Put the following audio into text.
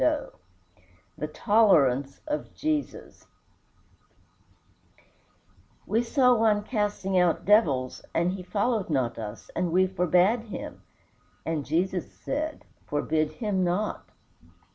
XVII THE TOLERANCE OF JESUS "We saw one casting out devils, and he followed not us; and we forbade him. And Jesus said, Forbid him not."